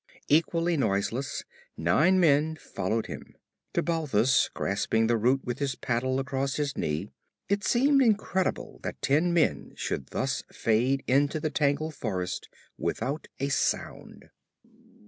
Equally noiseless, nine men followed him. To Balthus, grasping the root with his paddle across his knee, it seemed incredible that ten men should thus fade into the tangled forest without a sound.